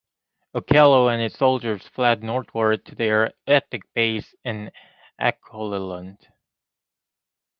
Okello and his soldiers fled northward to their ethnic base in Acholiland.